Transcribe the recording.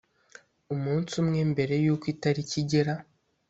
umunsi umwe mbere y’uko itariki igera